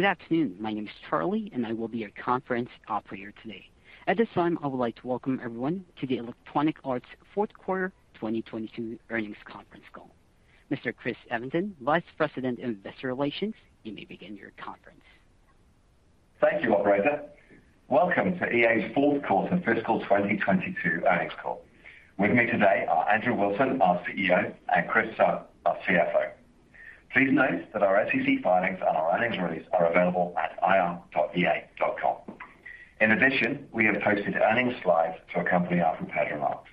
Good afternoon. My name is Charlie, and I will be your conference operator today. At this time, I would like to welcome everyone to the Electronic Arts Q4 2022 earnings Conference Call. Mr. Chris Evenden, Vice President, Investor Relations, you may begin your conference. Thank you, operator. Welcome to EA's Q4 2022 earnings call. With me today are Andrew Wilson, our CEO, and Chris Suh, our CFO. Please note that our SEC filings and our earnings release are available at ir.ea.com. In addition, we have posted earnings slides to accompany our prepared remarks.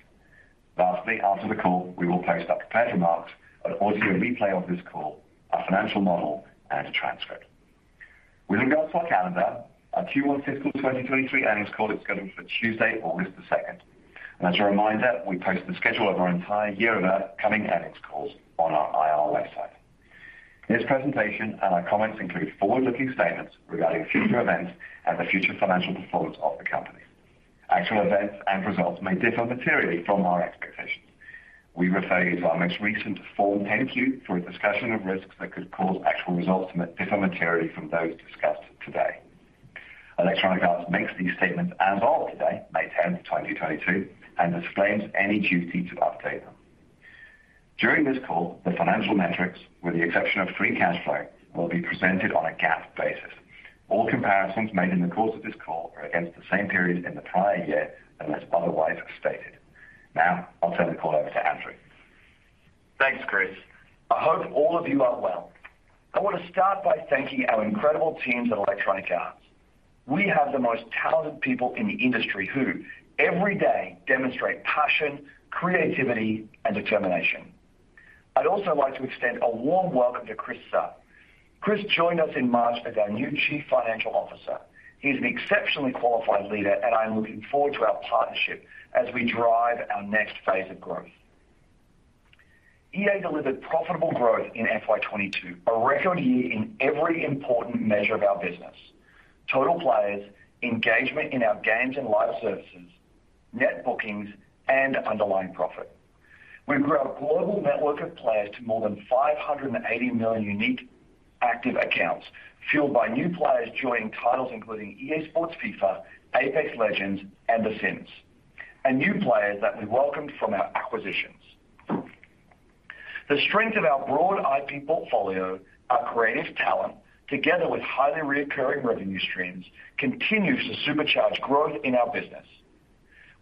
Lastly, after the call, we will post our prepared remarks, an audio replay of this call, our financial model, and a transcript. With regards to our calendar, our Q1 fiscal 2023 earnings call is scheduled for Tuesday, August 2. As a reminder, we post the schedule of our entire year of upcoming earnings calls on our IR website. This presentation and our comments include forward-looking statements regarding future events and the future financial performance of the company. Actual events and results may differ materially from our expectations. We refer you to our most recent Form 10-Q for a discussion of risks that could cause actual results to differ materially from those discussed today. Electronic Arts makes these statements as of today, May 10, 2022, and disclaims any duty to update them. During this call, the financial metrics, with the exception of free cash flow, will be presented on a GAAP basis. All comparisons made in the course of this call are against the same period in the prior year, unless otherwise stated. Now, I'll turn the call over to Andrew. Thanks, Chris. I hope all of you are well. I want to start by thanking our incredible teams at Electronic Arts. We have the most talented people in the industry who every day demonstrate passion, creativity, and determination. I'd also like to extend a warm welcome to Chris Suh. Chris joined us in March as our new Chief Financial Officer. He is an exceptionally qualified leader, and I am looking forward to our partnership as we drive our next phase of growth. EA delivered profitable growth in FY 22, a record-year in every important measure of our business, total players, engagement in our games and live services, net bookings, and underlying profit. We grew our global network of players to more than 580 million unique active accounts, fueled by new players joining titles including EA Sports FIFA, Apex Legends, and The Sims, and new players that we welcomed from our acquisitions. The strength of our broad IP portfolio, our creative talent, together with highly recurring revenue streams, continues to supercharge growth in our business.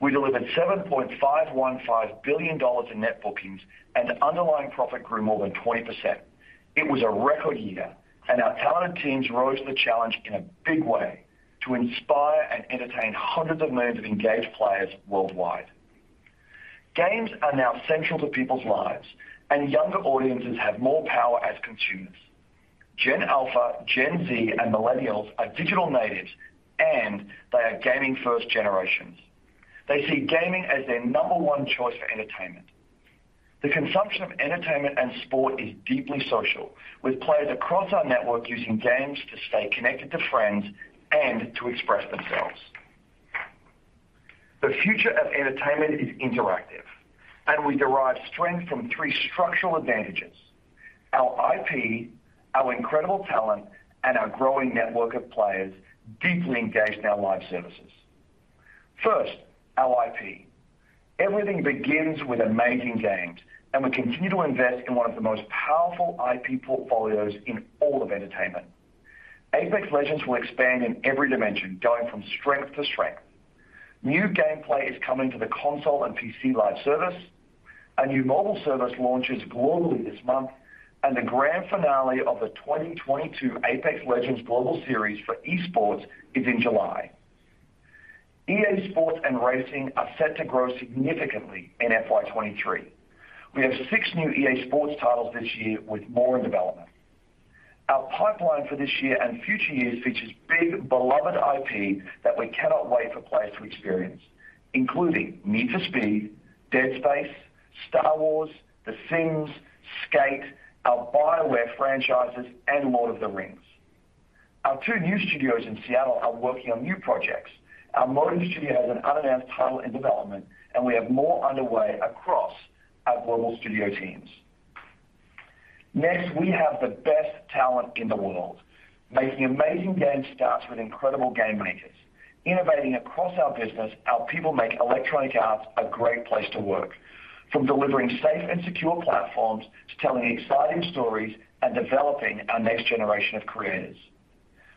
We delivered $7.515 billion in net bookings and underlying profit grew more than 20%. It was a record-year, and our talented teams rose to the challenge in a big way to inspire and entertain hundreds of millions of engaged players worldwide. Games are now central to people's lives and younger audiences have more power as consumers. Gen Alpha, Gen Z, and Millennials are digital natives, and they are gaming first generations. They see gaming as their number one choice for entertainment. The consumption of entertainment and sport is deeply social, with players across our network using games to stay connected to friends and to express themselves. The future of entertainment is interactive, and we derive strength from three structural advantages. Our IP, our incredible talent, and our growing network of players deeply engaged in our live services. First, our IP. Everything begins with amazing games, and we continue to invest in one of the most powerful IP portfolios in all of entertainment. Apex Legends will expand in every dimension, going from strength to strength. New gameplay is coming to the console and PC live service. A new mobile service launches globally this month, and the grand finale of the 2022 Apex Legends Global Series for eSports is in July. EA SPORTS and Racing are set to grow significantly in FY 23. We have 6 new EA SPORTS titles this year with more in development. Our pipeline for this year and future years features big beloved IP that we cannot wait for players to experience, including Need for Speed, Dead Space, Star Wars, The Sims, Skate, our BioWare franchises, and Lord of the Rings. Our two new studios in Seattle are working on new projects. Our Motive Studio has an unannounced title in development, and we have more underway across our global studio teams. Next, we have the best talent in the world. Making amazing games starts with incredible game makers. Innovating across our business, our people make Electronic Arts a great place to work, from delivering safe and secure platforms to telling exciting stories and developing our next generation of creators.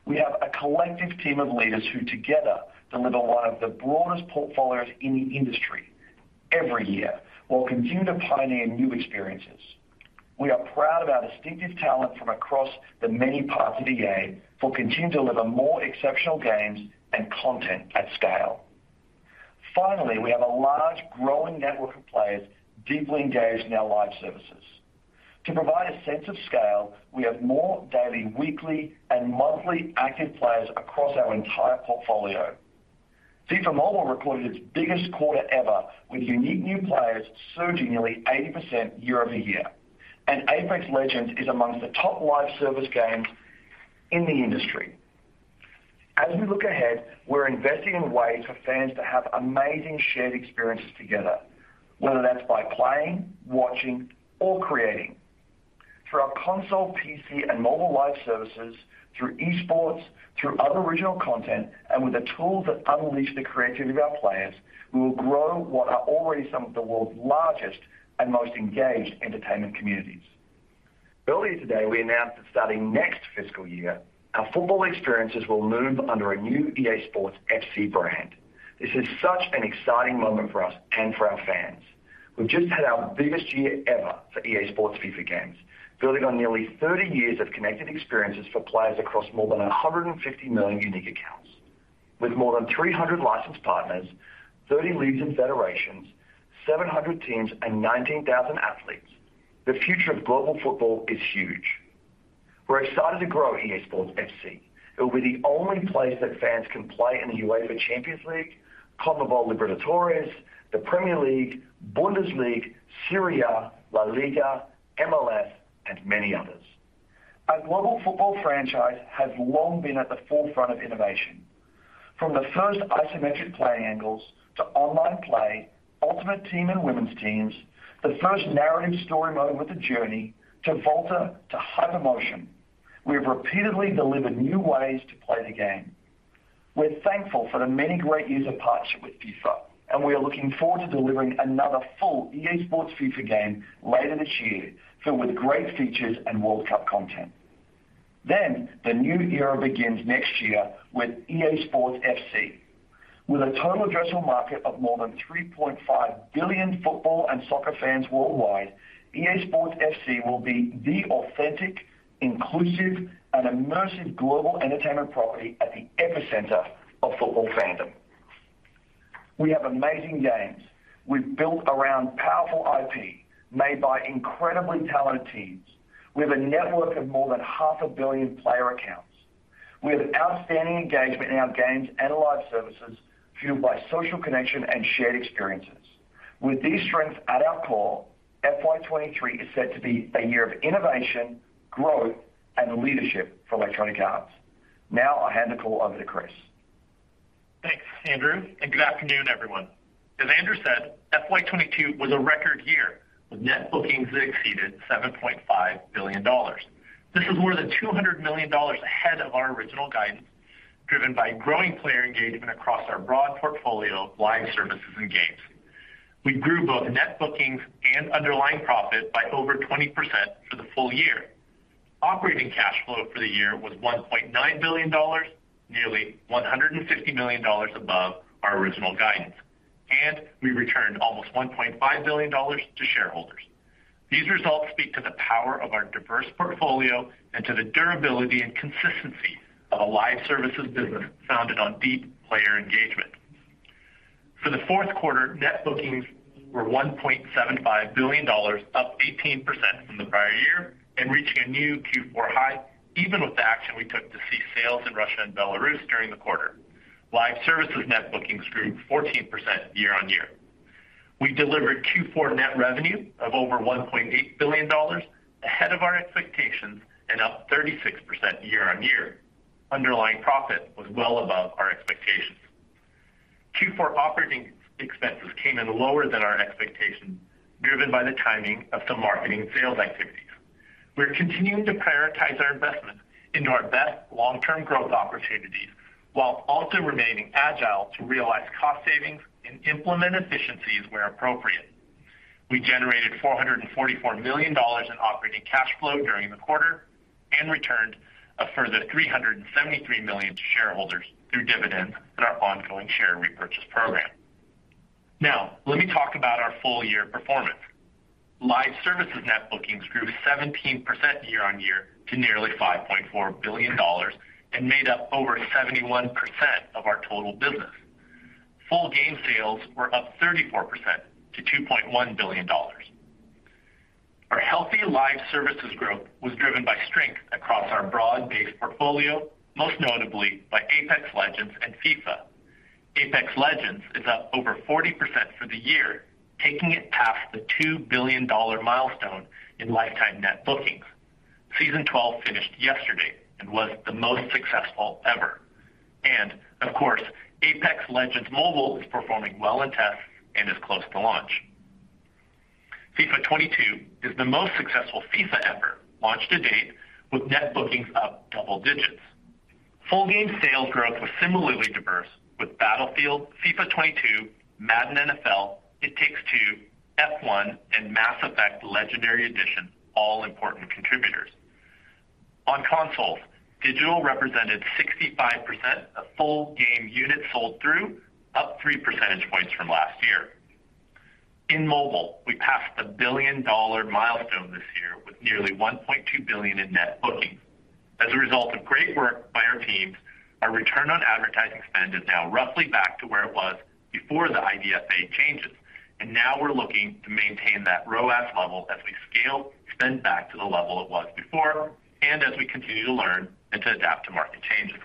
We have a collective team of leaders who together deliver one of the broadest portfolios in the industry every year while continuing to pioneer new experiences. We are proud of our distinctive talent from across the many parts of EA who continue to deliver more exceptional games and content at scale. Finally, we have a large growing network of players deeply engaged in our live services. To provide a sense of scale, we have more daily, weekly, and monthly active players across our entire portfolio. FIFA Mobile recorded its biggest quarter ever, with unique new players surging nearly 80% year-over-year. Apex Legends is amongst the top live service games in the industry. As we look ahead, we're investing in ways for fans to have amazing shared experiences together, whether that's by playing, watching, or creating. Through our console, PC, and mobile live services, through esports, through other original content, and with the tools that unleash the creativity of our players, we will grow what are already some of the world's largest and most engaged entertainment communities. Earlier today, we announced that starting next fiscal year, our football experiences will move under a new EA SPORTS FC brand. This is such an exciting moment for us and for our fans. We've just had our biggest-year ever for EA SPORTS FIFA games, building on nearly 30 years of connected experiences for players across more than 150 million unique accounts. With more than 300 licensed partners, 30 leagues and federations, 700 teams, and 19,000 athletes, the future of global football is huge. We're excited to grow EA SPORTS FC. It will be the only place that fans can play in the UEFA Champions League, CONMEBOL Libertadores, the Premier League, Bundesliga, Serie A, LaLiga, MLS, and many others. Our Global Football franchise has long been at the forefront of innovation. From the first isometric play angles to online play, Ultimate Team and women's teams, the first narrative story mode with The Journey to VOLTA to HyperMotion, we have repeatedly delivered new ways to play the game. We're thankful for the many great years of partnership with FIFA, and we are looking forward to delivering another full EA SPORTS FIFA game later this year, filled with great features and World Cup content. The new era begins next year with EA SPORTS FC. With a total addressable market of more than 3.5 billion football and soccer fans worldwide, EA SPORTS FC will be the authentic, inclusive, and immersive global entertainment property at the epicenter of football fandom. We have amazing games we've built around powerful IP made by incredibly talented teams. We have a network of more than 0.5 billion player accounts. We have outstanding engagement in our games and live services, fueled by social connection and shared experiences. With these strengths at our core, FY 2023 is set to be a year of innovation, growth, and leadership for Electronic Arts. Now I'll hand the call over to Chris. Thanks, Andrew, and good afternoon, everyone. As Andrew said, FY 2022 was a record-year, with net bookings that exceeded $7.5 billion. This is more than $200 million ahead of our original guidance, driven by growing player engagement across our broad portfolio of live services and games. We grew both net bookings and underlying profit by over 20% for the full-year. Operating cash flow for the year was $1.9 billion, nearly $150 million above our original guidance, and we returned almost $1.5 billion to shareholders. These results speak to the power of our diverse portfolio and to the durability and consistency of a live services business founded on deep player engagement. For the Q4, net bookings were $1.75 billion, up 18% from the prior year and reaching a new Q4 high even with the action we took to cease sales in Russia and Belarus during the quarter. Live services net bookings grew 14% year-over-year. We delivered Q4 net revenue of over $1.8 billion, ahead of our expectations and up 36% year-over-year. Underlying profit was well above our expectations. Q4 operating expenses came in lower than our expectations, driven by the timing of some marketing sales activities. We're continuing to prioritize our investment into our best long-term growth opportunities while also remaining agile to realize cost savings and implement efficiencies where appropriate. We generated $444 million in operating cash flow during the quarter and returned a further $373 million to shareholders through dividends and our ongoing share repurchase program. Now, let me talk about our full-year performance. Live services net bookings grew 17% year-on-year to nearly $5.4 billion and made up over 71% of our total business. Full game sales were up 34% to $2.1 billion. Our healthy live services growth was driven by strength across our broad-based portfolio, most notably by Apex Legends and FIFA. Apex Legends is up over 40% for the year, taking it past the $2 billion milestone in lifetime net bookings. Season 12 finished yesterday and was the most successful ever. Of course, Apex Legends Mobile is performing well in tests and is close to launch. FIFA 22 is the most successful FIFA ever launched to date, with net bookings up double digits. Full game sales growth was similarly diverse with Battlefield, FIFA 22, Madden NFL, It Takes Two, F1, and Mass Effect Legendary Edition, all important contributors. On consoles, digital represented 65% of full game units sold through, up three percentage points from last year. In mobile, we passed the $1 billion milestone this year with nearly $1.2 billion in net bookings. As a result of great work by our teams, our return on advertising spend is now roughly back to where it was before the IDFA changes. Now we're looking to maintain that ROAS level as we scale spend back to the level it was before and as we continue to learn and to adapt to market changes.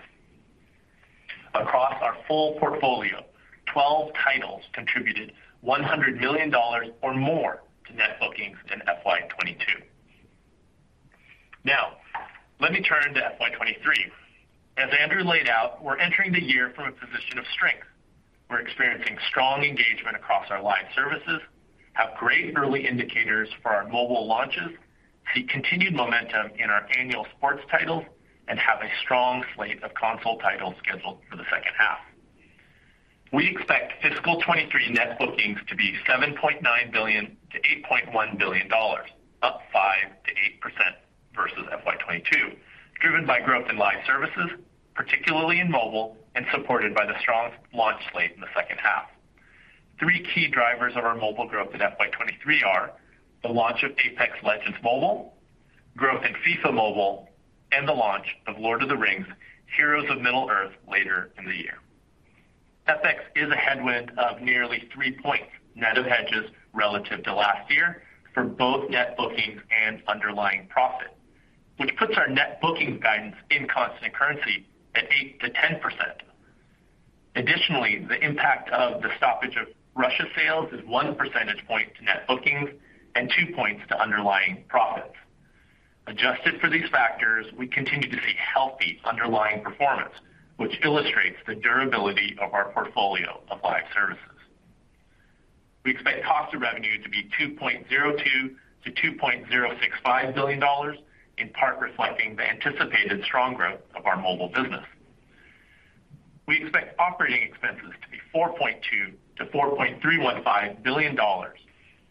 Across our full portfolio, 12 titles contributed $100 million or more. Now let me turn to FY 2023. As Andrew laid out, we're entering the year from a position of strength. We're experiencing strong engagement across our live services, have great early indicators for our mobile launches, see continued momentum in our annual sports titles, and have a strong slate of console titles scheduled for the second half. We expect fiscal 2023 net bookings to be $7.9 billion-$8.1 billion, up 5%-8% versus FY 2022, driven by growth in live services, particularly in mobile, and supported by the strong launch slate in the second half. Three key drivers of our mobile growth in FY 2023 are the launch of Apex Legends Mobile, growth in FIFA Mobile, and the launch of The Lord of the Rings: Heroes of Middle-earth later in the year. FX is a headwind of nearly 3 points net of hedges relative to last year for both net bookings and underlying profit, which puts our net bookings guidance in constant currency at 8%-10%. Additionally, the impact of the stoppage of Russia sales is 1 percentage point to net bookings and 2 points to underlying profits. Adjusted for these factors, we continue to see healthy underlying performance, which illustrates the durability of our portfolio of live services. We expect cost of revenue to be $2.02 billion-$2.065 billion, in part reflecting the anticipated strong growth of our mobile business. We expect operating expenses to be $4.2 billion-$4.315 billion.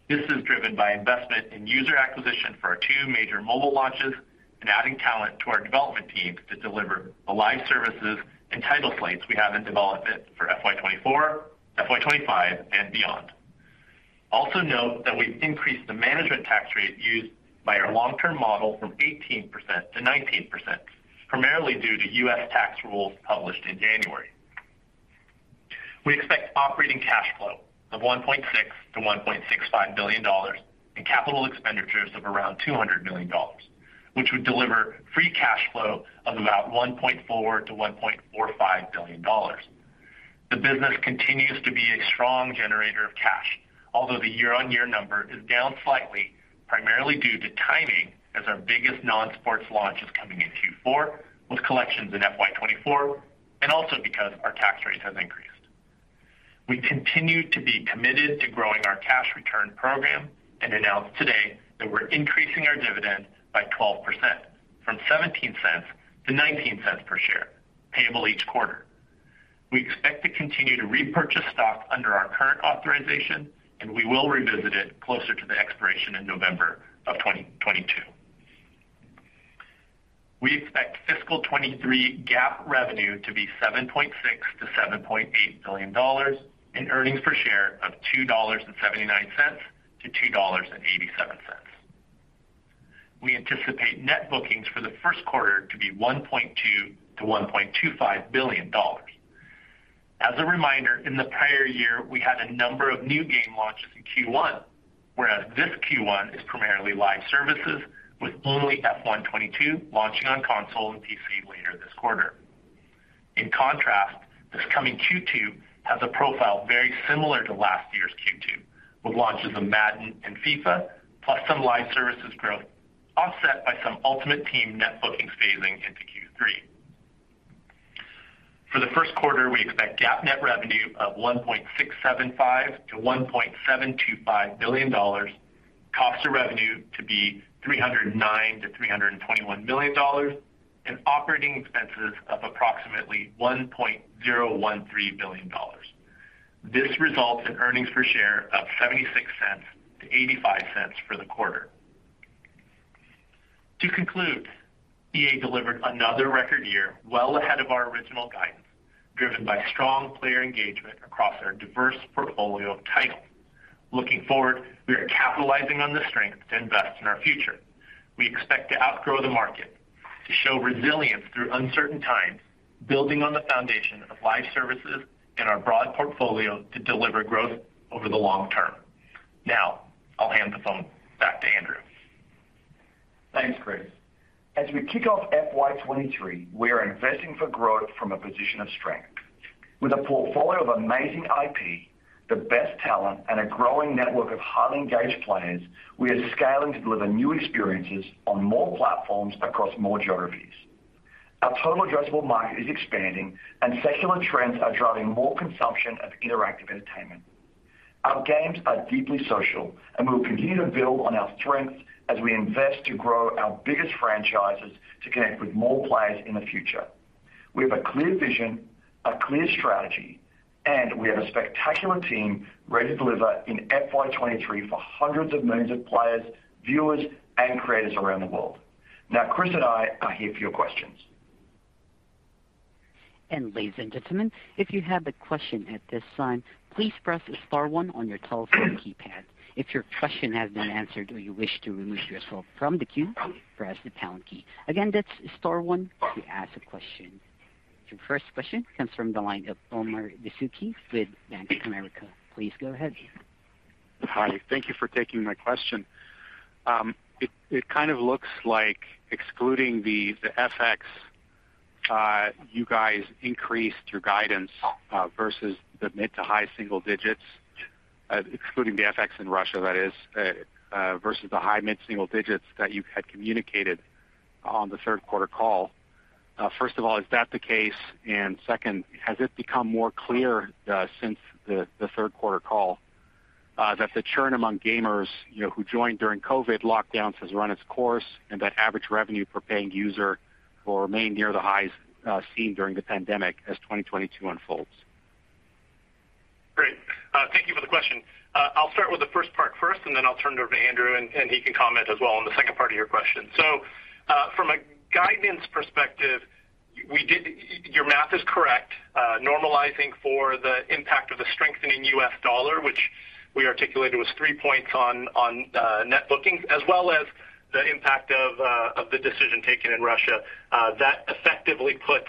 This is driven by investment in user acquisition for our two major mobile launches and adding talent to our development team to deliver the live services and title slates we have in development for FY 2024, FY 2025 and beyond. Also note that we've increased the marginal tax rate used by our long-term model from 18% to 19%, primarily due to U.S. tax rules published in January. We expect operating cash flow of $1.6 billion-$1.65 billion and capital expenditures of around $200 million, which would deliver free cash flow of about $1.4 billion-$1.45 billion. The business continues to be a strong generator of cash, although the year-on-year number is down slightly, primarily due to timing as our biggest non-sports launch is coming in Q4 with collections in FY 2024, and also because our tax rate has increased. We continue to be committed to growing our cash return program and announce today that we're increasing our dividend by 12% from $0.17 to $0.19 per share, payable each quarter. We expect to continue to repurchase stock under our current authorization, and we will revisit it closer to the expiration in November 2022. We expect fiscal 2023 GAAP revenue to be $7.6 billion-$7.8 billion and earnings per share of $2.79-$2.87. We anticipate net bookings for the Q1 to be $1.2 billion-$1.25 billion. As a reminder, in the prior year we had a number of new game launches in Q1, whereas this Q1 is primarily live services with only F1 22 launching on console and PC later this quarter. In contrast, this coming Q2 has a profile very similar to last year's Q2, with launches of Madden and FIFA, plus some live services growth offset by some Ultimate Team net bookings phasing into Q3. For the Q1, we expect GAAP net revenue of $1.675 billion-$1.725 billion, cost of revenue to be $309 million-$321 million, and operating expenses of approximately $1.013 billion. This results in earnings per share of $0.76-$0.85 for the quarter. To conclude, EA delivered another record-year well ahead of our original guidance, driven by strong player engagement across our diverse portfolio of titles. Looking forward, we are capitalizing on this strength to invest in our future. We expect to outgrow the market, to show resilience through uncertain times, building on the foundation of live services and our broad portfolio to deliver growth over the long-term. Now I'll hand the phone back to Andrew. Thanks, Chris. As we kick off FY23, we are investing for growth from a position of strength. With a portfolio of amazing IP, the best talent, and a growing network of highly-engaged players, we are scaling to deliver new experiences on more platforms across more geographies. Our total addressable market is expanding and secular trends are driving more consumption of interactive entertainment. Our games are deeply social and we will continue to build on our strengths as we invest to grow our biggest franchises to connect with more players in the future. We have a clear vision, a clear strategy, and we have a spectacular team ready to deliver in FY23 for hundreds of millions of players, viewers, and creators around the world. Now Chris and I are here for your questions. Ladies and gentlemen, if you have a question at this time, please press star one on your telephone keypad. If your question has been answered or you wish to remove yourself from the queue, press the pound key. Again, that's star one to ask a question. Your first question comes from the line of Omar Dessouky with Bank of America. Please go ahead. Hi. Thank you for taking my question. It kind of looks like excluding the FX, you guys increased your guidance versus the mid- to high-single digits excluding the FX in Russia that is versus the high mid-single digits that you had communicated on the Q3 call. First of all, is that the case? Second, has it become more clear since the Q3 call that the churn among gamers, you know, who joined during COVID lockdowns has run its course and that average revenue per paying user will remain near the highs seen during the pandemic as 2022 unfolds? Great. Thank you for the question. I'll start with the first part first, and then I'll turn it over to Andrew and he can comment as well on the second part of your question. From a guidance perspective, your math is correct. Normalizing for the impact of the strengthening U.S. dollar, which we articulated was 3 points on net bookings as well as the impact of the decision taken in Russia. That effectively puts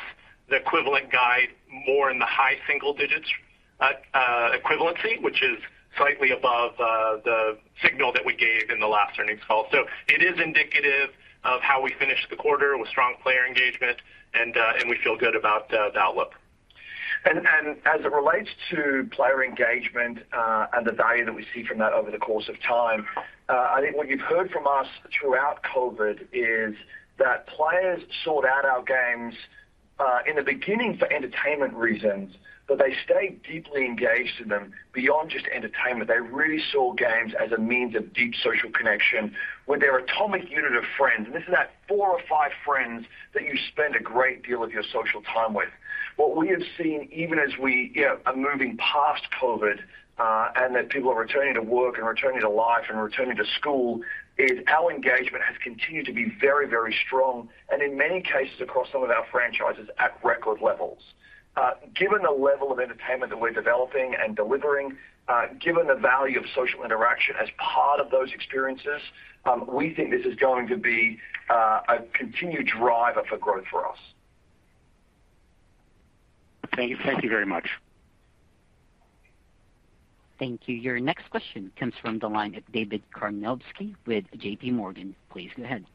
the equivalent guide more in the high single-digits equivalency, which is slightly above the signal that we gave in the last earnings call. It is indicative of how we finished the quarter with strong player engagement and we feel good about the outlook. As it relates to player engagement, and the value that we see from that over the course of time, I think what you've heard from us throughout COVID is that players sought out our games in the beginning for entertainment reasons, but they stayed deeply engaged in them beyond just entertainment. They really saw games as a means of deep social connection with their atomic unit of friends. This is that four or five friends that you spend a great deal of your social time with. What we have seen, even as we, you know, are moving past COVID, and that people are returning to work and returning to life and returning to school, is our engagement has continued to be very, very strong and in many cases across some of our franchises at record levels. Given the level of entertainment that we're developing and delivering, given the value of social interaction as part of those experiences, we think this is going to be a continued driver for growth for us. Thank you. Thank you very much. Thank you. Your next question comes from the line of David Karnovsky with JPMorgan. Please go ahead.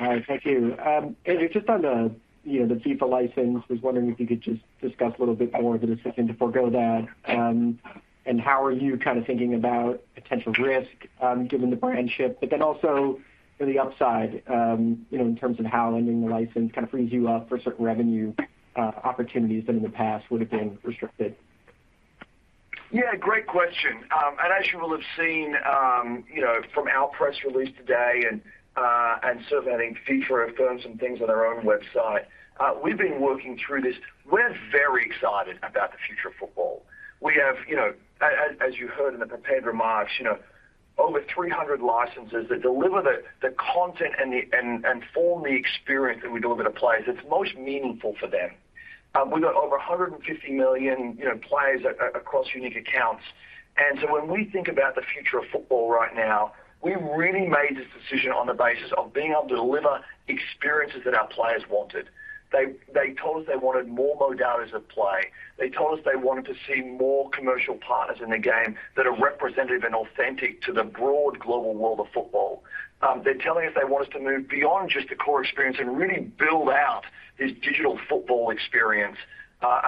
All right. Thank you. Andrew, just on the, you know, the FIFA license, I was wondering if you could just discuss a little bit more the decision to forgo that, and how are you kind of thinking about potential risk, given the brand shift, but then also the upside, you know, in terms of how ending the license kind of frees you up for certain revenue, opportunities that in the past would have been restricted? Yeah, great question. As you will have seen, you know, from our press release today and certainly I think FIFA have done some things on their own website. We've been working through this. We're very excited about the future of football. We have, you know, as you heard in the prepared remarks, you know, over 300 licenses that deliver the content and form the experience that we deliver to players that's most meaningful for them. We've got over 150 million, you know, players across unique accounts. When we think about the future of football right now, we really made this decision on the basis of being able to deliver experiences that our players wanted. They told us they wanted more modalities of play. They told us they wanted to see more commercial partners in the game that are representative and authentic to the broad global world of football. They're telling us they want us to move beyond just the core experience and really build out this digital football experience.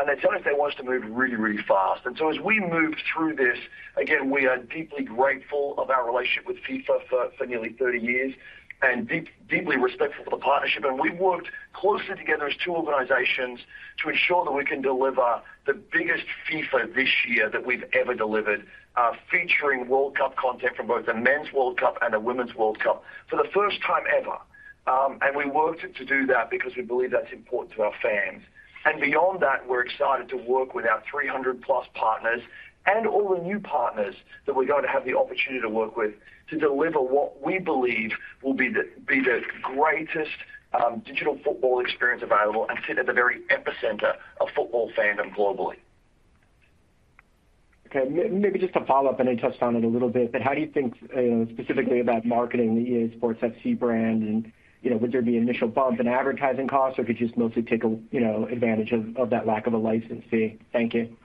They're telling us they want us to move really, really fast. As we move through this, again, we are deeply grateful of our relationship with FIFA for nearly 30 years and deeply respectful of the partnership. We've worked closely together as two organizations to ensure that we can deliver the biggest FIFA this year that we've ever delivered, featuring World Cup content from both the Men's World Cup and the Women's World Cup for the first time ever. We worked to do that because we believe that's important to our fans. Beyond that, we're excited to work with our 300+ partners and all the new partners that we're going to have the opportunity to work with to deliver what we believe will be the greatest digital football experience available and sit at the very epicenter of football fandom globally. Okay. Maybe just to follow-up, I know you touched on it a little bit, but how do you think, you know, specifically about marketing the EA SPORTS FC brand and, you know, would there be initial bump in advertising costs or could you just mostly take a, you know, advantage of that lack of a license fee? Thank you.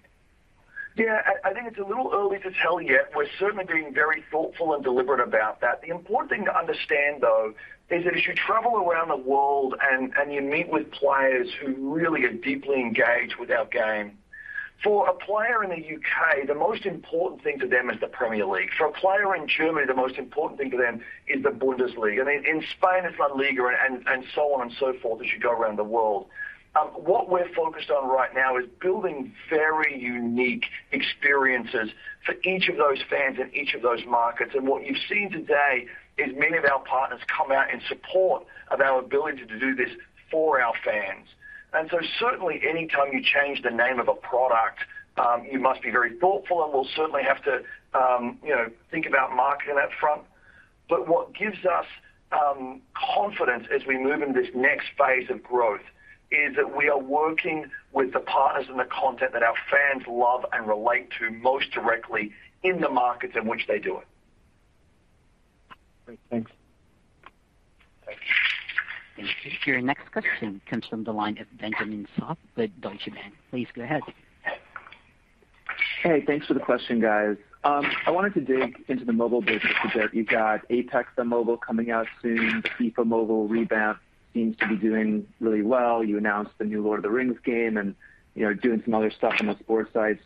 Yeah, I think it's a little early to tell yet. We're certainly being very thoughtful and deliberate about that. The important thing to understand though, is that as you travel around the world and you meet with players who really are deeply engaged with our game, for a player in the UK, the most important thing to them is the Premier League. For a player in Germany, the most important thing to them is the Bundesliga. In Spain, it's LaLiga and so on and so forth as you go around the world. What we're focused on right now is building very unique experiences for each of those fans in each of those markets. What you've seen today is many of our partners come out in support of our ability to do this for our fans. Certainly anytime you change the name of a product, you must be very thoughtful, and we'll certainly have to, you know, think about marketing up front. What gives us confidence as we move into this next phase of growth is that we are working with the partners and the content that our fans love and relate to most directly in the markets in which they do it. Great. Thanks. Thanks. Thank you. Your next question comes from the line of Benjamin Soff with Deutsche Bank. Please go ahead. Hey, thanks for the question, guys. I wanted to dig into the mobile business a bit. You've got Apex on mobile coming out soon. FIFA Mobile rebound seems to be doing really well. You announced the new Lord of the Rings game and, you know, doing some other stuff on the sports side.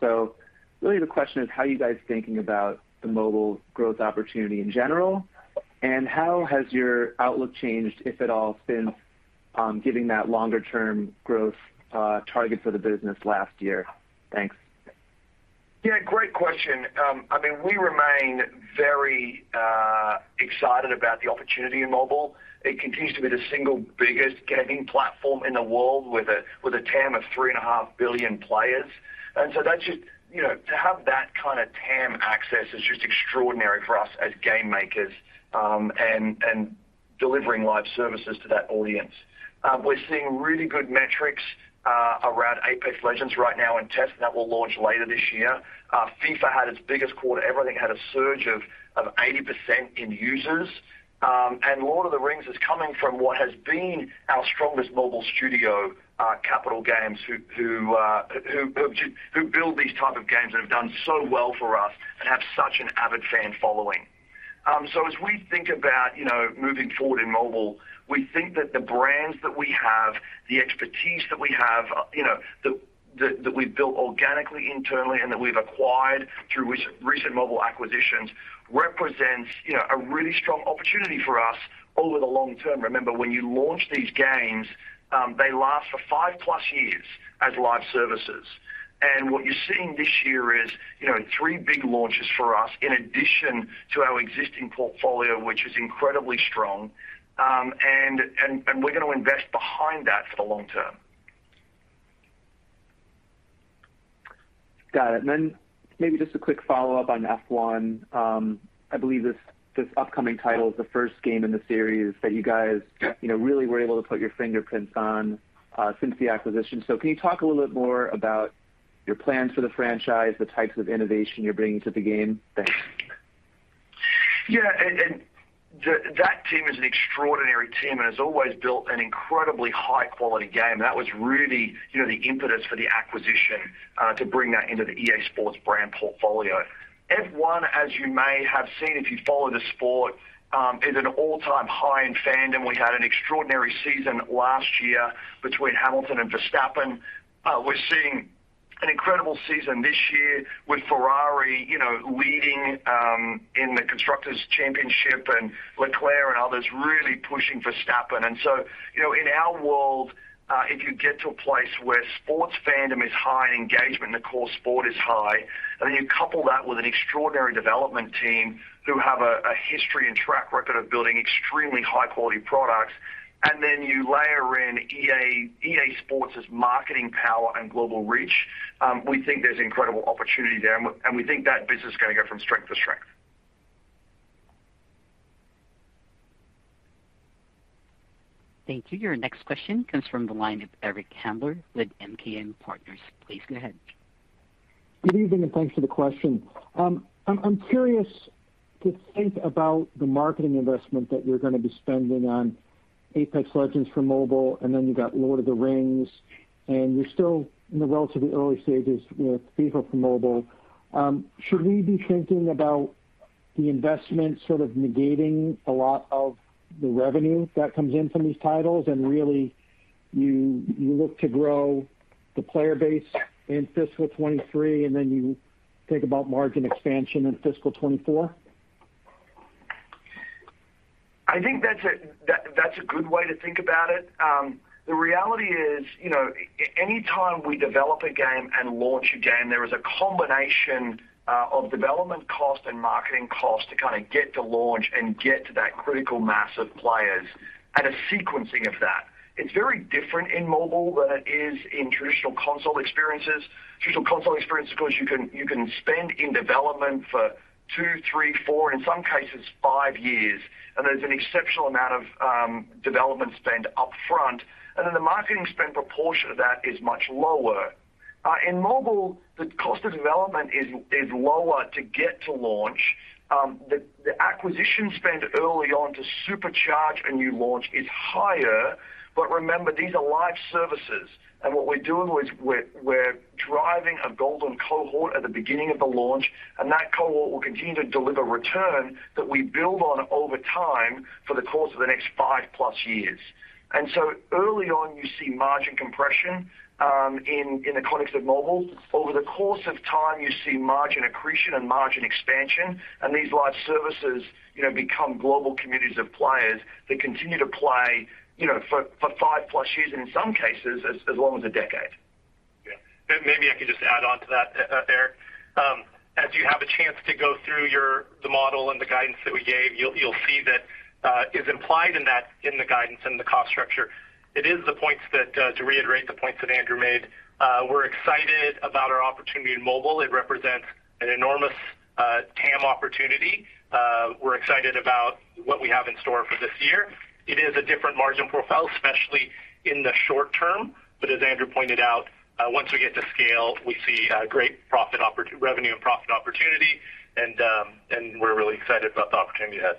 Really the question is how you guys thinking about the mobile growth opportunity in general, and how has your outlook changed, if at all, since giving that longer-term growth target for the business last year? Thanks. Yeah, great question. I mean, we remain very excited about the opportunity in mobile. It continues to be the single biggest gaming platform in the world with a TAM of 3.5 billion players. That's just, you know, to have that kind of TAM access is just extraordinary for us as game makers, and delivering live services to that audience. We're seeing really good metrics around Apex Legends right now in test, and that will launch later this year. FIFA had its biggest quarter ever. I think it had a surge of 80% in users. Lord of the Rings is coming from what has been our strongest mobile studio, Capital Games, who build these type of games that have done so well for us and have such an avid fan following. As we think about, you know, moving forward in mobile, we think that the brands that we have, the expertise that we have, you know, that we've built organically, internally, and that we've acquired through recent mobile acquisitions, represents, you know, a really strong opportunity for us over the long-term. Remember, when you launch these games, they last for 5+ years as live services. What you're seeing this year is, you know, 3 big launches for us in addition to our existing portfolio, which is incredibly strong. We're going to invest behind that for the long-term. Got it. Maybe just a quick follow-up on F1. I believe this upcoming title is the first game in the series that you guys- Yeah you know, really were able to put your fingerprints on, since the acquisition. Can you talk a little bit more about your plans for the franchise, the types of innovation you're bringing to the game? Thanks. That team is an extraordinary team and has always built an incredibly high-quality game. That was really, you know, the impetus for the acquisition, to bring that into the EA SPORTS brand portfolio. F1, as you may have seen if you follow the sport, is an all-time high in fandom. We had an extraordinary season last year between Hamilton and Verstappen. We're seeing an incredible season this year with Ferrari, you know, leading, in the Constructors' Championship and Leclerc and others really pushing Verstappen. You know, in our world, if you get to a place where sports fandom is high and engagement in the core sport is high, and then you couple that with an extraordinary development team who have a history and track record of building extremely high-quality products, and then you layer in EA SPORTS' marketing power and global reach, we think there's incredible opportunity there, and we think that business is going to go from strength to strength. Thank you. Your next question comes from the line of Eric Handler with MKM Partners. Please go ahead. Good evening, and thanks for the question. I'm curious to think about the marketing investment that you're going to be spending on Apex Legends Mobile, and then you've got Lord of the Rings, and you're still in the relatively early stages with FIFA Mobile. Should we be thinking about the investment sort of negating a lot of the revenue that comes in from these titles and really you look to grow the player base in fiscal 2023, and then you think about margin expansion in fiscal 2024? I think that's a good way to think about it. The reality is, you know, anytime we develop a game and launch a game, there is a combination of development cost and marketing cost to kind of get to launch and get to that critical mass of players and a sequencing of that. It's very different in mobile than it is in traditional console experiences. Traditional console experience, of course, you can spend on development for 2, 3, 4, in some cases, 5 years, and there's an exceptional amount of development spend up front. Then the marketing spend proportion of that is much lower. In mobile, the cost of development is lower to get to launch. The acquisition spend early on to supercharge a new launch is higher. Remember, these are live services and what we're doing is we're driving a golden cohort at the beginning of the launch, and that cohort will continue to deliver return that we build on over time for the course of the next five+ years. Early on, you see margin compression in the context of mobile. Over the course of time, you see margin accretion and margin expansion, and these live services, you know, become global communities of players that continue to play, you know, for five+ years, in some cases as long as a decade. Maybe I could just add on to that, Eric. As you have a chance to go through the model and the guidance that we gave, you'll see that it's implied in that, in the guidance and the cost structure. To reiterate the points that Andrew made, we're excited about our opportunity in mobile. It represents an enormous TAM opportunity. We're excited about what we have in store for this year. It is a different margin profile, especially in the short-term. As Andrew pointed out, once we get to scale, we see great revenue and profit opportunity, and we're really excited about the opportunity ahead.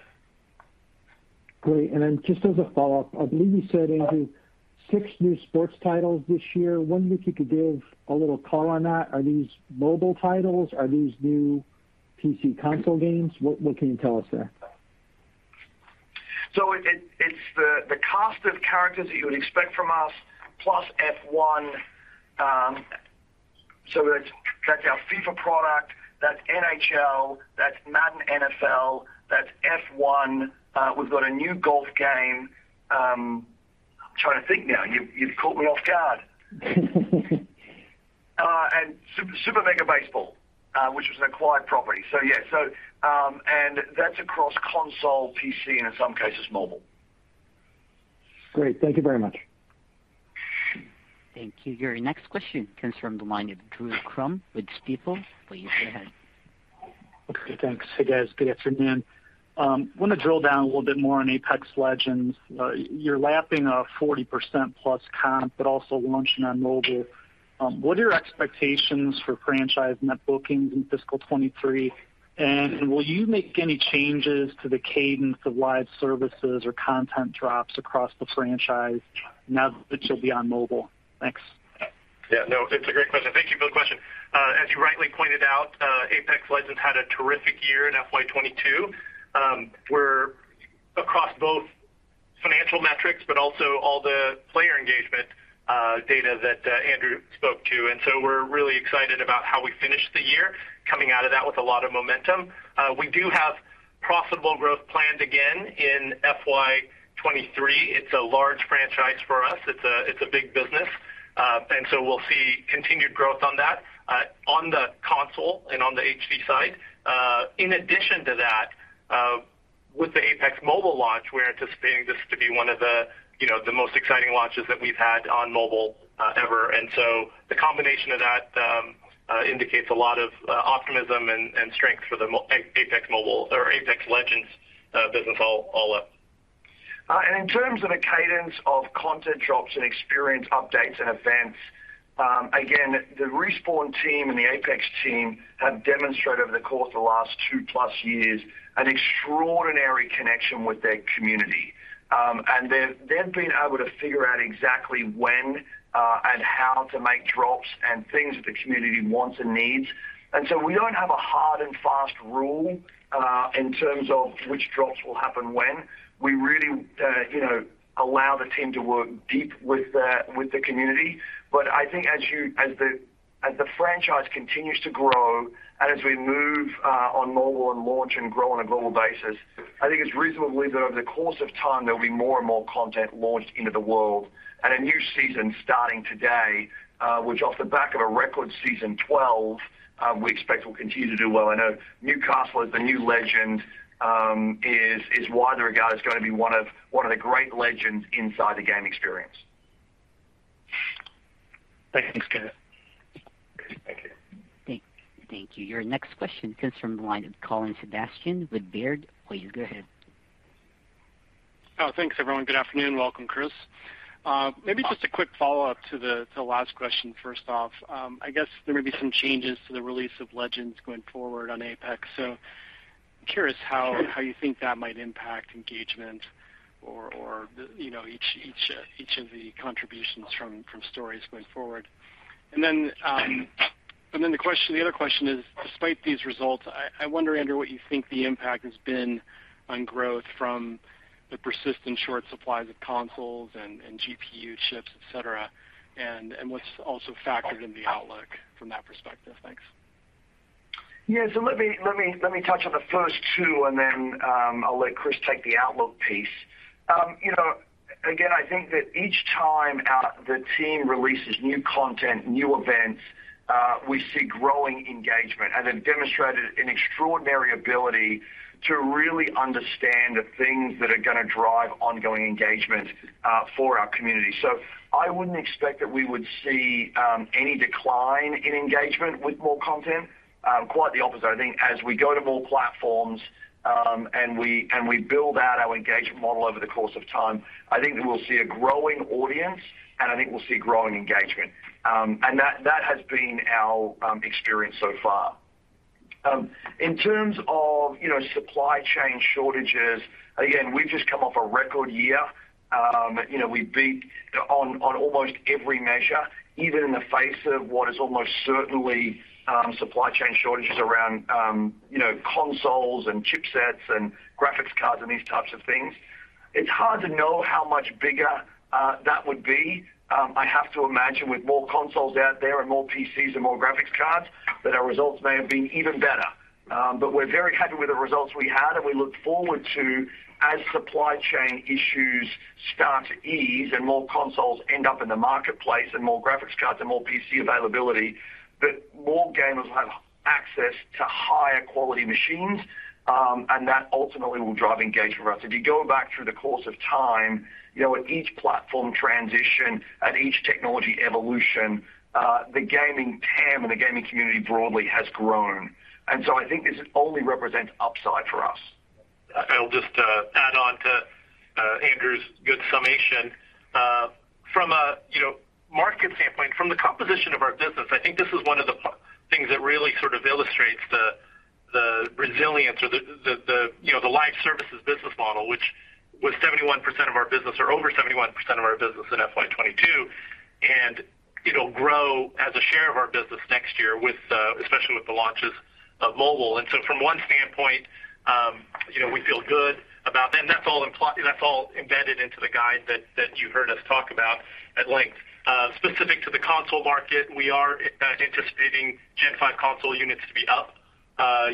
Great. Just as a follow-up, I believe you said, Andrew, 6 new sports titles this year. Wonder if you could give a little color on that. Are these mobile titles? Are these new PC console games? What can you tell us there? It's the cast of characters that you would expect from us, plus F1. That's our FIFA product, that's NHL, that's Madden NFL, that's F1. We've got a new golf game. I'm trying to think now. You've caught me off guard. And Super Mega Baseball, which was an acquired property. Yeah. And that's across console, PC, and in some cases, mobile. Great. Thank you very much. Thank you. Your next question comes from the line of Drew Crum with Stifel. Please go ahead. Okay, thanks. Hey, guys. Good afternoon. Want to drill down a little bit more on Apex Legends. You're lapping a 40% plus comp, but also launching on mobile. What are your expectations for franchise net bookings in fiscal 2023? Will you make any changes to the cadence of live services or content drops across the franchise now that you'll be on mobile? Thanks. Yeah, no, it's a great question. Thank you for the question. As you rightly pointed out, Apex Legends had a terrific year in FY 2022. We're across both financial metrics, but also all the player engagement data that Andrew spoke to. We're really excited about how we finished the year coming out of that with a lot of momentum. We do have profitable growth planned again in FY 2023. It's a large franchise for us. It's a big business. We'll see continued growth on that, on the console and on the HD side. In addition to that, with the Apex mobile launch, we're anticipating this to be one of the, you know, the most exciting launches that we've had on mobile, ever. The combination of that indicates a lot of optimism and strength for the Apex mobile or Apex Legends business all up. In terms of the cadence of content drops and experience updates and events, again, the Respawn team and the Apex team have demonstrated over the course of the last two-plus years an extraordinary connection with their community. They've been able to figure out exactly when and how to make drops and things that the community wants and needs. We don't have a hard and fast rule in terms of which drops will happen when. We really you know allow the team to work deep with the community. I think as the franchise continues to grow and as we move on mobile and launch and grow on a global basis, I think it's reasonable that over the course of time, there'll be more and more content launched into the world. A new season starting today, which off the back of a record season 12, we expect will continue to do well. I know Newcastle as the new legend is widely regarded as going to be one of the great legends inside the game experience. Thanks, guys. Thank you. Thank you. Your next question comes from the line of Colin Sebastian with Baird. Please go ahead. Thanks, everyone. Good afternoon. Welcome, Chris. Maybe just a quick follow-up to the last question, first off. I guess there may be some changes to the release of Apex Legends going forward. Curious how you think that might impact engagement or, you know, each of the contributions from stories going forward. The other question is, despite these results, I wonder, Andrew, what you think the impact has been on growth from the persistent short supplies of consoles and GPU chips, et cetera. What's also factored in the outlook from that perspective. Thanks. Yeah. Let me touch on the first two, and then I'll let Chris take the outlook piece. You know, again, I think that each time the team releases new content, new events, we see growing engagement, and they've demonstrated an extraordinary ability to really understand the things that are going to drive ongoing engagement for our community. I wouldn't expect that we would see any decline in engagement with more content. Quite the opposite. I think as we go to more platforms, and we build out our engagement model over the course of time, I think we'll see a growing audience, and I think we'll see growing engagement. That has been our experience so far. In terms of, you know, supply chain shortages, again, we've just come off a record-year. You know, we beat on almost every measure, even in the face of what is almost certainly supply chain shortages around, you know, consoles and chipsets and graphics cards and these types of things. It's hard to know how much bigger that would be. I have to imagine with more consoles out there and more PCs and more graphics cards that our results may have been even better. But we're very happy with the results we had, and we look forward to, as supply chain issues start to ease and more consoles end up in the marketplace and more graphics cards and more PC availability, that more gamers will have access to higher-quality machines, and that ultimately will drive engagement for us. If you go back through the course of time, you know, at each platform transition and each technology evolution, the gaming TAM and the gaming community broadly has grown. I think this only represents upside for us. I'll just add on to Andrew's good summation. The resilience, you know, the live services business model, which was 71% of our business or over 71% of our business in FY 2022, and it'll grow as a share of our business next year, especially with the launches of mobile. From one standpoint, you know, we feel good about and that's all embedded into the guide that you heard us talk about at length. Specific to the console market, we are anticipating Gen 5 console units to be up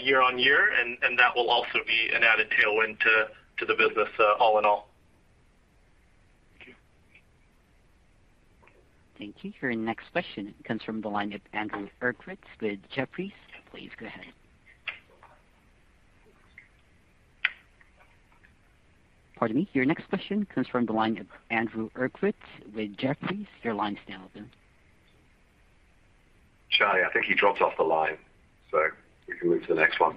year-on-year, and that will also be an added tailwind to the business, all in all. Thank you. Thank you. Your next question comes from the line of Andrew Uerkwitz with Jefferies. Please go ahead. Pardon me. Your line's now open. Charlie, I think he dropped off the line, so we can move to the next one.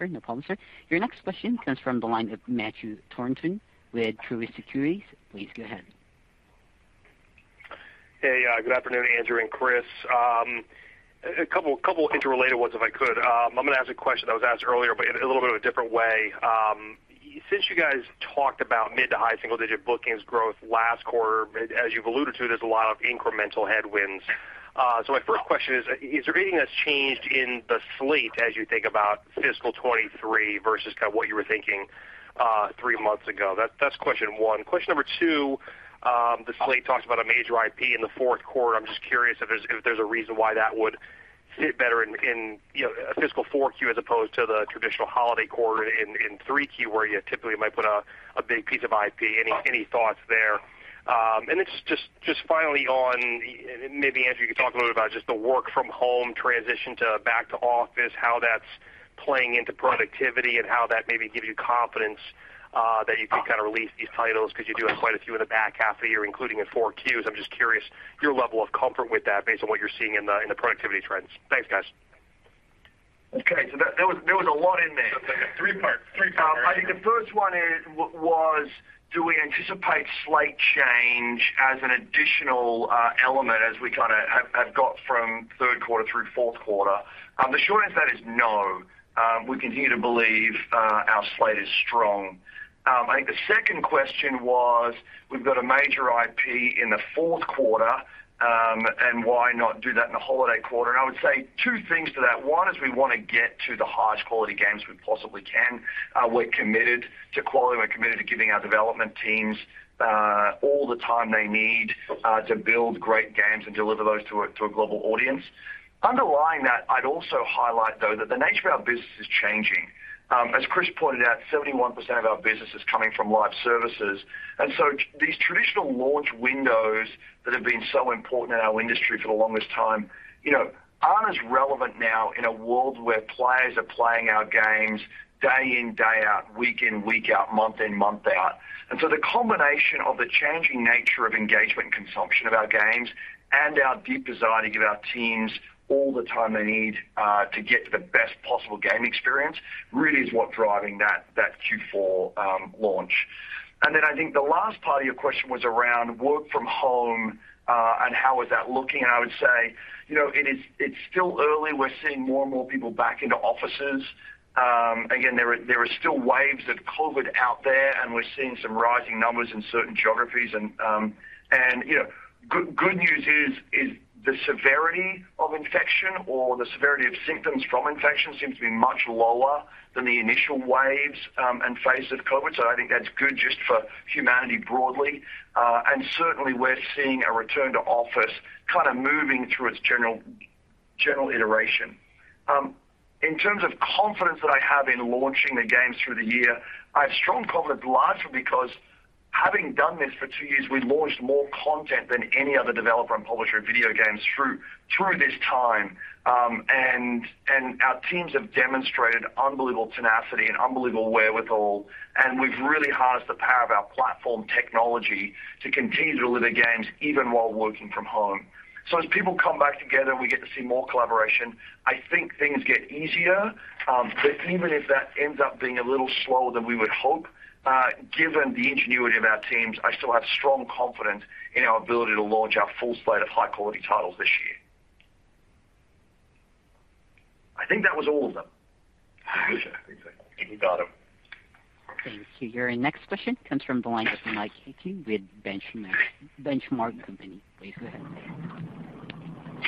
Sure. No problem, sir. Your next question comes from the line of Matthew Thornton with Truist Securities. Please go ahead. Hey, good afternoon, Andrew and Chris. A couple interrelated ones, if I could. I'm going to ask a question that was asked earlier, but in a little bit of a different way. Since you guys talked about mid- to high single-digit bookings growth last quarter, as you've alluded to, there's a lot of incremental headwinds. So my first question is there anything that's changed in the slate as you think about fiscal 2023 versus kind of what you were thinking, 3 months ago? That's question one. Question number 2, the slate talks about a major IP in the Q4. I'm just curious if there's a reason why that would fit better in, you know, a fiscal four Q as opposed to the traditional holiday quarter in Q3, where you typically might put a big piece of IP. Any thoughts there? It's just finally on, maybe, Andrew, you could talk a little bit about just the work from home transition to back to office, how that's playing into productivity and how that maybe gives you confidence that you can kind of release these titles because you do have quite a few in the back half of the year, including in four Q. I'm just curious your level of comfort with that based on what you're seeing in the productivity trends. Thanks, guys. Okay. There was a lot in there. It's like a three-part, three-parter. I think the first one is, do we anticipate slate change as an additional element as we kind of have got from Q3 through Q4? The short answer to that is no. We continue to believe our slate is strong. I think the second question was, we've got a major IP in the Q4 and why not do that in the holiday quarter? I would say two things to that. One is we want to get to the highest-quality games we possibly can. We're committed to quality. We're committed to giving our development teams all the time they need to build great games and deliver those to a global audience. Underlying that, I'd also highlight, though, that the nature of our business is changing. As Chris pointed out, 71% of our business is coming from live services. These traditional launch windows that have been so important in our industry for the longest time, you know, aren't as relevant now in a world where players are playing our games day in, day out, week in, week out, month in, month out. The combination of the changing nature of engagement consumption of our games and our deep desire to give our teams all the time they need to get to the best possible game experience really is what driving that Q4 launch. I think the last part of your question was around work from home and how is that looking? I would say, you know, it is. It's still early. We're seeing more and more people back into offices. Again, there are still waves of COVID out there, and we're seeing some rising numbers in certain geographies. You know, good news is the severity of infection or the severity of symptoms from infection seems to be much lower than the initial waves and phases of COVID. I think that's good just for humanity broadly. Certainly, we're seeing a return to office kind of moving through its general iteration. In terms of confidence that I have in launching the games through the year, I have strong confidence, largely because having done this for two years, we launched more content than any other developer and publisher of video games through this time. Our teams have demonstrated unbelievable tenacity and unbelievable wherewithal, and we've really harnessed the power of our platform technology to continue to deliver games even while working from home. As people come back together and we get to see more collaboration, I think things get easier. Even if that ends up being a little slower than we would hope, given the ingenuity of our teams, I still have strong confidence in our ability to launch our full slate of high-quality titles this year. I think that was all of them. I think so. I think you got them. Thank you. Your next question comes from the line of Mike Hickey with Benchmark Company. Please go ahead.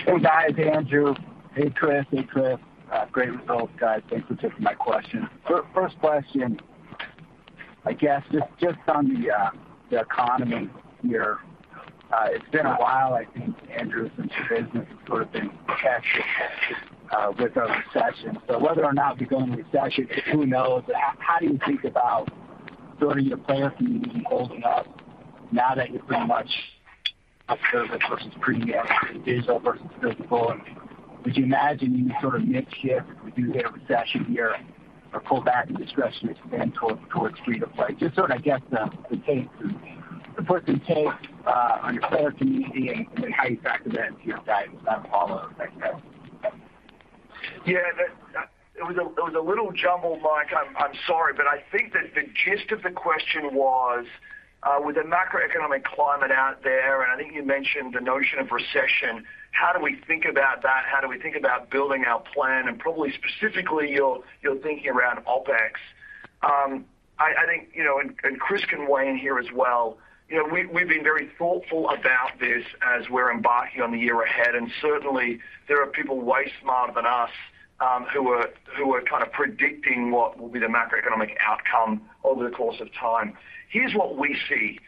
Hey, guys. Andrew. Hey, Chris. Great results, guys. Thanks for taking my question. First question, I guess just on the economy here. It's been a while, I think, Andrew, since your business has sort of been tested with a recession. Whether or not we go into a recession, who knows? How do you think about sort of your player community holding up now that you're pretty much a service versus premium, digital versus physical? Would you imagine you would sort of mix shift if we do hit a recession here or pull back and discretionary spend towards free-to-play? Just sort of, I guess, the takeaway to put some takeaway on your player community and how you factor that into your guidance. I'll follow-up with Chris next. Yeah. It was a little jumbled, Mike. I'm sorry. I think that the gist of the question was with the macroeconomic climate out there, and I think you mentioned the notion of recession, how do we think about that? How do we think about building our plan? And probably specifically your thinking around OpEx. I think, you know, and Chris can weigh in here as well. You know, we've been very thoughtful about this as we're embarking on the year ahead, and certainly there are people way smarter than us, who are kind of predicting what will be the macroeconomic outcome over the course of time. Here's what we see.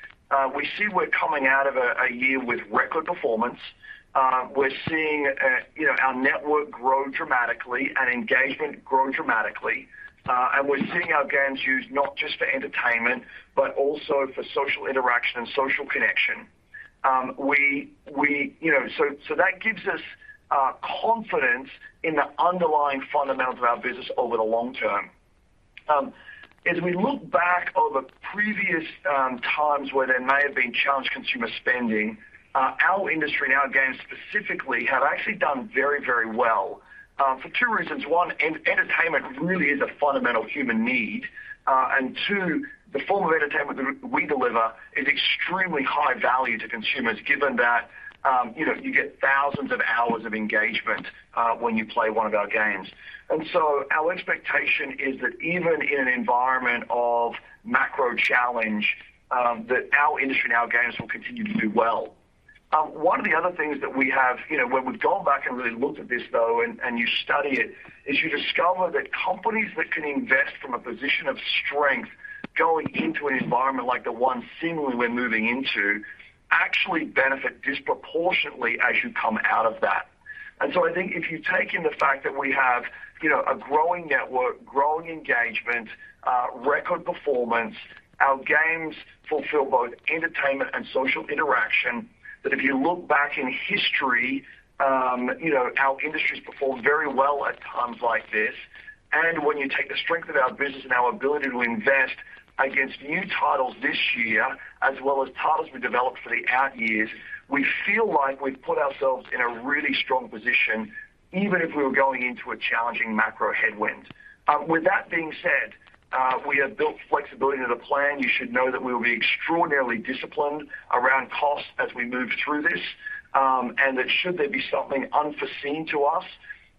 We see we're coming out of a year with record performance. We're seeing, you know, our network grow dramatically and engagement grow dramatically. We're seeing our games used not just for entertainment, but also for social interaction and social connection. That gives us confidence in the underlying fundamentals of our business over the long-term. As we look back over previous times where there may have been challenged consumer spending, our industry and our games specifically have actually done very well for two reasons. One, entertainment really is a fundamental human need. Two, the form of entertainment that we deliver is extremely high-value to consumers, given that, you know, you get thousands of hours of engagement when you play one of our games. Our expectation is that even in an environment of macro challenge, that our industry and our games will continue to do well. One of the other things that we have, you know, when we've gone back and really looked at this though, and you study it, is you discover that companies that can invest from a position of strength going into an environment like the one seemingly we're moving into, actually benefit disproportionately as you come out of that. I think if you take in the fact that we have, you know, a growing network, growing engagement, record performance, our games fulfill both entertainment and social interaction. That if you look back in history, you know, our industry's performed very well at times like this. When you take the strength of our business and our ability to invest against new titles this year, as well as titles we developed for the out years, we feel like we've put ourselves in a really strong position, even if we were going into a challenging macro headwind. With that being said, we have built flexibility into the plan. You should know that we'll be extraordinarily disciplined around cost as we move through this, and that should there be something unforeseen to us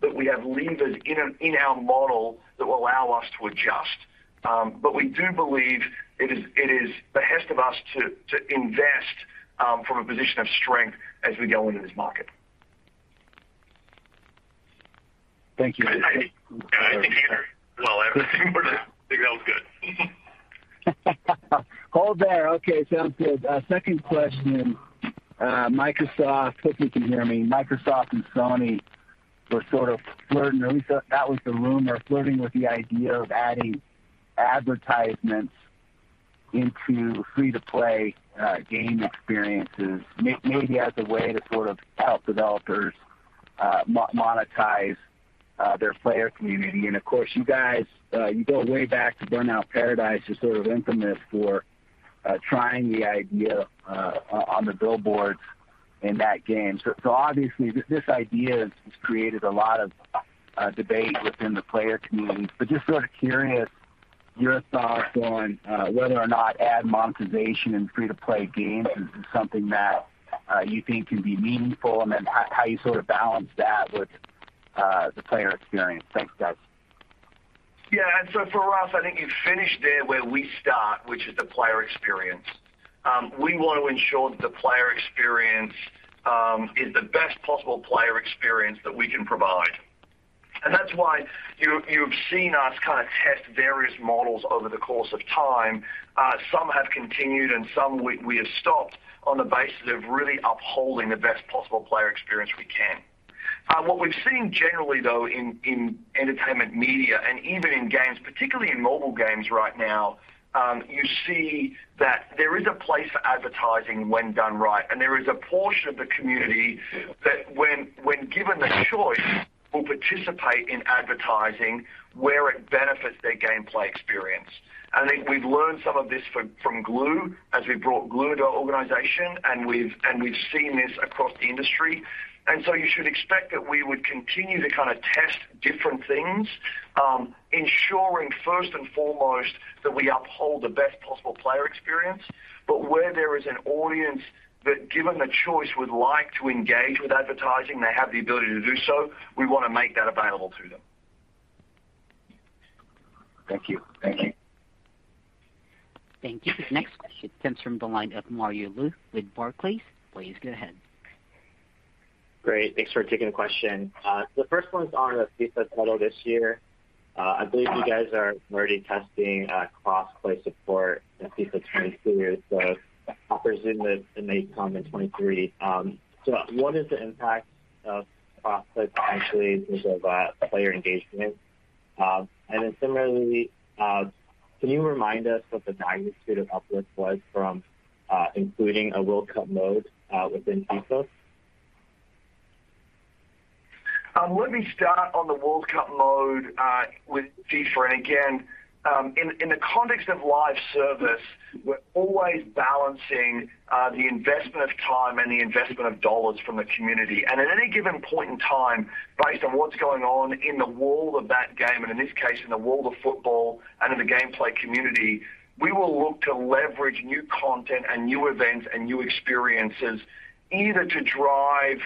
that we have levers in our model that will allow us to adjust. But we do believe it is behooves us to invest from a position of strength as we go into this market. Thank you. I think well, I think that was good. Hold there. Okay, sounds good. Second question. Microsoft, hope you can hear me. Microsoft and Sony were sort of flirting, or at least that was the rumor, flirting with the idea of adding advertisements into free-to-play game experiences. Maybe as a way to sort of help developers monetize their player community. Of course, you guys you go way back to Burnout Paradise as sort of infamous for trying the idea on the billboards in that game. Obviously this idea has created a lot of debate within the player community, but just sort of curious your thoughts on whether or not ad monetization in free-to-play games is something that you think can be meaningful and then how you sort of balance that with the player experience. Thanks, guys. Yeah. For us, I think you finished there where we start, which is the player experience. We want to ensure that the player experience is the best possible player experience that we can provide. That's why you've seen us kind of test various models over the course of time. Some have continued and some we have stopped on the basis of really upholding the best possible player experience we can. What we've seen generally though in entertainment media and even in games, particularly in mobile games right now, you see that there is a place for advertising when done right. There is a portion of the community that when given the choice, will participate in advertising where it benefits their gameplay experience. I think we've learned some of this from Glu as we brought Glu to our organization and we've seen this across the industry. You should expect that we would continue to kind of test different things, ensuring first and foremost that we uphold the best possible player experience. Where there is an audience that given the choice would like to engage with advertising, they have the ability to do so, we want to make that available to them. Thank you. Thank you. Thank you. Next question comes from the line of Mario Lu with Barclays. Please go ahead. Great. Thanks for taking the question. The first one's on the FIFA title this year. I believe you guys are already testing cross play support in FIFA 22. I presume that it may come in 2023. What is the impact of cross play potentially in terms of player engagement? Similarly, can you remind us what the magnitude of uplift was from including a World Cup mode within FIFA? Let me start on the World Cup mode with FIFA. Again, in the context of live service, we're always balancing the investment of time and the investment of dollars from the community. At any given point in time, based on what's going on in the world of that game, and in this case, in the world of football and in the gameplay community, we will look to leverage new content and new events and new experiences, either to drive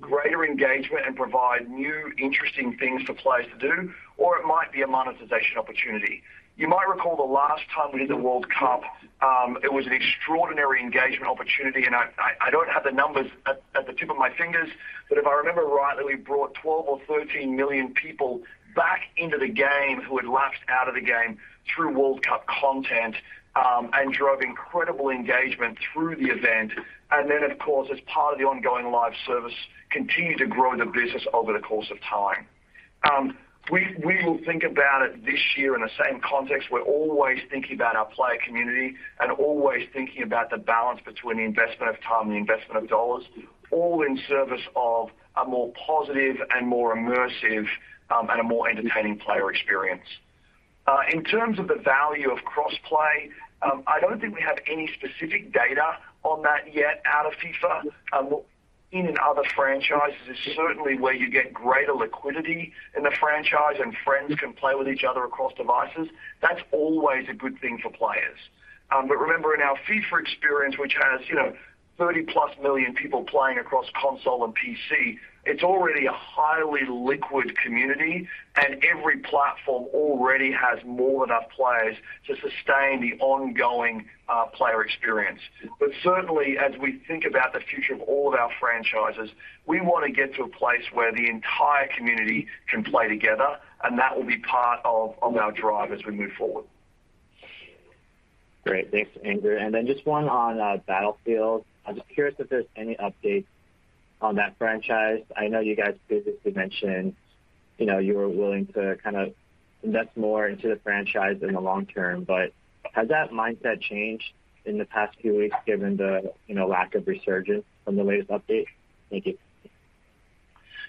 greater engagement and provide new interesting things for players to do, or it might be a monetization opportunity. You might recall the last time we did the World Cup, it was an extraordinary engagement opportunity. I don't have the numbers at the tip of my fingers, but if I remember rightly, we brought 12 or 13 million people back into the game who had lapsed out of the game through World Cup content, and drove incredible engagement through the event. Then, of course, as part of the ongoing live service, continue to grow the business over the course of time. We will think about it this year in the same context. We're always thinking about our player community and always thinking about the balance between the investment of time and the investment of dollars, all in service of a more positive and more immersive, and a more entertaining player experience. In terms of the value of cross-play, I don't think we have any specific data on that yet out of FIFA. In other franchises, it's certainly where you get greater liquidity in the franchise, and friends can play with each other across devices. That's always a good thing for players. Remember, in our FIFA experience, which has, you know, 30+ million people playing across console and PC, it's already a highly-liquid community, and every platform already has more than enough players to sustain the ongoing player experience. Certainly, as we think about the future of all of our franchises, we wanna get to a place where the entire community can play together, and that will be part of our drive as we move forward. Great. Thanks, Andrew. Just one on Battlefield. I'm just curious if there's any updates on that franchise. I know you guys previously mentioned, you know, you were willing to kind of invest more into the franchise in the long-term, but has that mindset changed in the past few weeks given the, you know, lack of resurgence from the latest update? Thank you.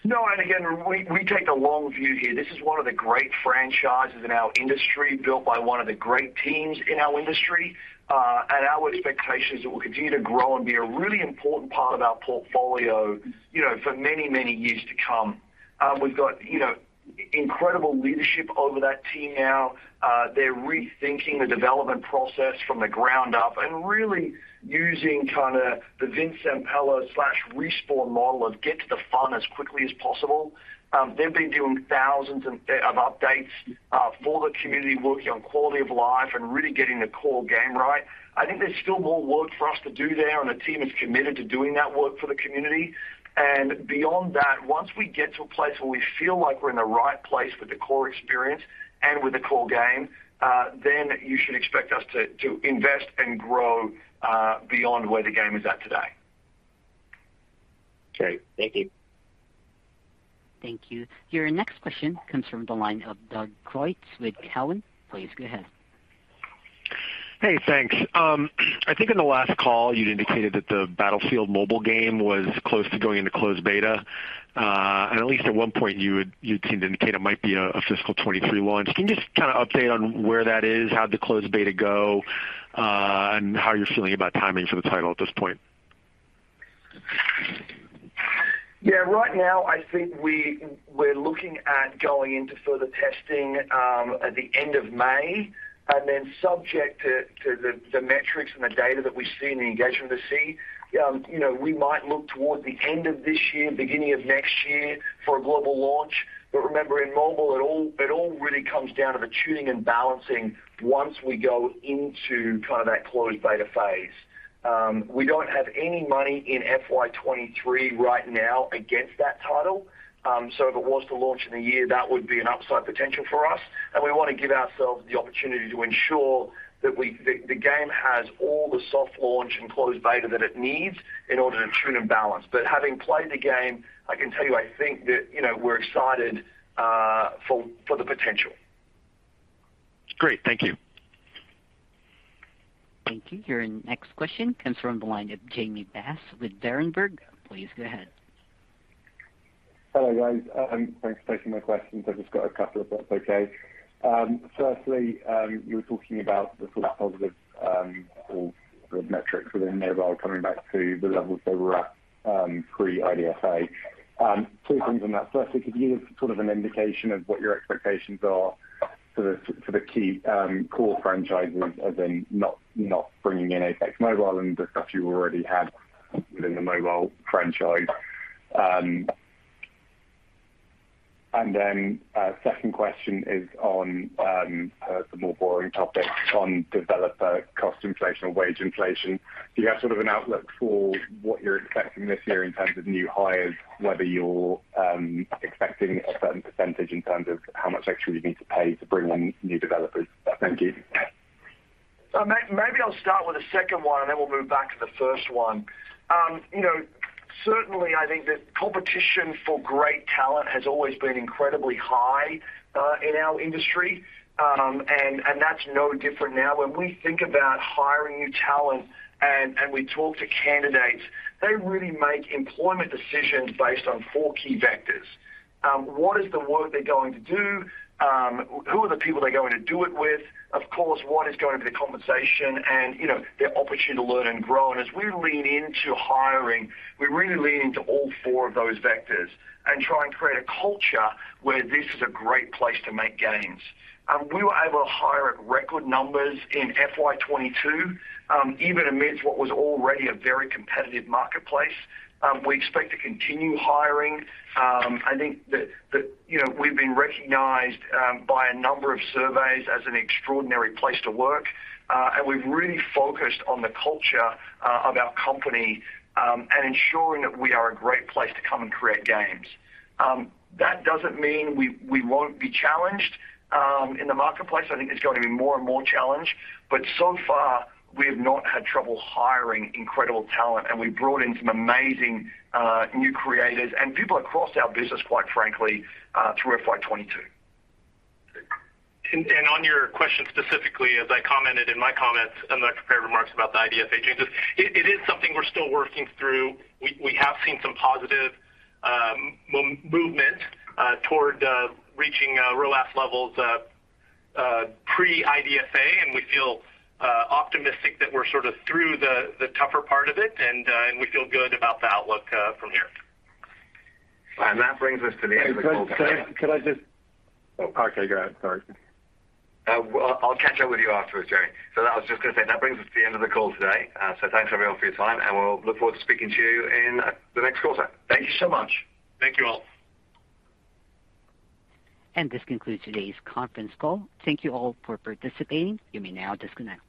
No. Again, we take a long-view here. This is one of the great franchises in our industry, built by one of the great teams in our industry, and our expectation is that we'll continue to grow and be a really important part of our portfolio, you know, for many, many years to come. We've got, you know, incredible leadership over that team now. They're rethinking the development process from the ground up and really using kind of the Vince Zampella Respawn model of get to the fun as quickly as possible. They've been doing thousands of updates for the community, working on quality of life and really getting the core game right. I think there's still more work for us to do there, and the team is committed to doing that work for the community. Beyond that, once we get to a place where we feel like we're in the right place with the core experience and with the core game, then you should expect us to invest and grow beyond where the game is at today. Okay. Thank you. Thank you. Your next question comes from the line of Doug Creutz with Cowen. Please go ahead. Hey, thanks. I think in the last call, you indicated that the Battlefield mobile game was close to going into closed beta. At least at one point you seemed to indicate it might be a fiscal 2023 launch. Can you just kind of update on where that is, how the closed beta went, and how you're feeling about timing for the title at this point? Yeah. Right now, I think we're looking at going into further testing at the end of May, and then subject to the metrics and the data that we see and the engagement we see, you know, we might look toward the end of this year, beginning of next year for a global launch. But remember, in mobile, it all really comes down to the tuning and balancing once we go into kind of that closed beta phase. We don't have any money in FY 2023 right now against that title. So if it was to launch in a year, that would be an upside potential for us. We wanna give ourselves the opportunity to ensure that the game has all the soft launch and closed beta that it needs in order to tune and balance. Having played the game, I can tell you, I think that, you know, we're excited for the potential. Great. Thank you. Thank you. Your next question comes from the line of Jamie Bass with Berenberg. Please go ahead. Hello, guys. Thanks for taking my questions. I've just got a couple if that's okay. Firstly, you were talking about the sort of positive, sort of metrics within mobile coming back to the levels they were at, pre-IDFA. Two things on that. Firstly, could you give sort of an indication of what your expectations are for the key, core franchises as in not bringing in Apex mobile and the stuff you already have within the mobile franchise? And then, second question is on, the more boring topic on developer cost inflation or wage inflation. Do you have sort of an outlook for what you're expecting this year in terms of new hires, whether you're expecting a certain percentage in terms of how much extra you need to pay to bring on new developers? Thank you. Maybe I'll start with the second one, and then we'll move back to the first one. You know, certainly I think that competition for great talent has always been incredibly high in our industry. That's no different now. When we think about hiring new talent and we talk to candidates, they really make employment decisions based on four key vectors. What is the work they're going to do? Who are the people they're going to do it with? Of course, what is going to be the compensation and, you know, their opportunity to learn and grow. As we lean into hiring, we really lean into all four of those vectors and try and create a culture where this is a great place to make games. We were able to hire at record numbers in FY 22, even amidst what was already a very competitive marketplace. We expect to continue hiring. I think that, you know, we've been recognized by a number of surveys as an extraordinary place to work, and we've really focused on the culture of our company, and ensuring that we are a great place to come and create games. That doesn't mean we won't be challenged in the marketplace. I think it's going to be more and more challenged, but so far, we have not had trouble hiring incredible talent, and we brought in some amazing new creators and people across our business, quite frankly, through FY 22. On your question specifically, as I commented in my comments on the prepared remarks about the IDFA changes, it is something we're still working through. We have seen some positive movement toward reaching real app levels pre-IDFA, and we feel optimistic that we're sort of through the tougher part of it and we feel good about the outlook from here. That brings us to the end of the call today. Could I just. Oh, okay. Go ahead. Sorry. Well, I'll catch up with you afterwards, Jerry. I was just gonna say, that brings us to the end of the call today. Thanks everyone for your time, and we'll look forward to speaking to you in the next quarter. Thank you so much. Thank you all. This concludes today's Conference Call. Thank you all for participating. You may now disconnect.